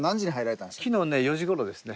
昨日ね４時頃ですね。